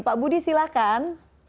pak budi silahkan